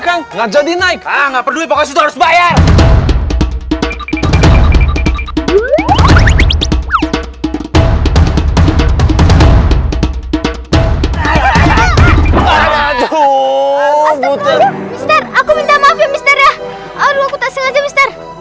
kan enggak jadi naik nggak perlu pokoknya harus bayar